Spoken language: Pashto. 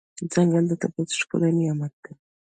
ځنګل د طبیعت ښکلی نعمت دی.